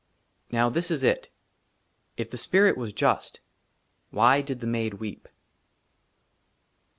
NOW, THIS IS IT IF THE SPIRIT WAS JUST, WHY DID THE MAID WEEP